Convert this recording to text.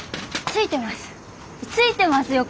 ついてますよ